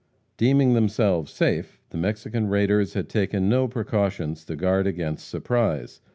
Deeming themselves safe, the Mexican raiders had taken no precautions to guard against surprise.